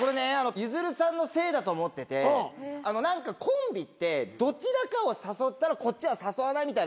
ゆずるさんのせいだと思ってて何かコンビってどちらかを誘ったらこっちは誘わないみたいな。